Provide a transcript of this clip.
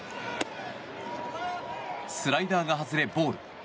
スライダーが外れ、ボール。